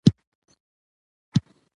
چنګلونه د افغان ماشومانو د لوبو موضوع ده.